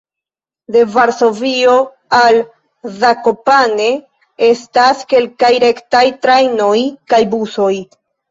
De Varsovio al Zakopane estas kelkaj rektaj trajnoj kaj busoj.